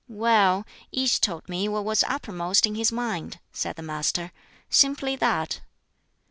"Well, each told me what was uppermost in his mind," said the Master; "simply that."